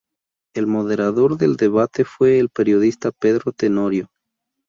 El moderador del debate fue el periodista Pedro Tenorio.